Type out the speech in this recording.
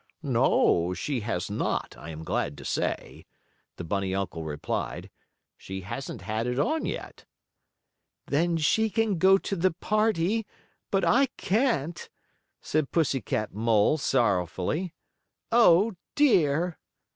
"No, she has not, I am glad to say," the bunny uncle replied. "She hasn't had it on, yet." "Then she can go to the party, but I can't," said Pussy Cat Mole, sorrowfully. "Oh, dear!"